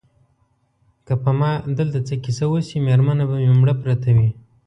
که په ما دلته څه کیسه وشي مېرمنه به مې مړه پرته وي.